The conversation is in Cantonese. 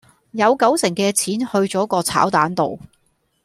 有九成嘅錢去咗個炒蛋度